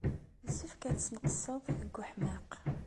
Yessefk ad tesneqsed seg weḥmaq.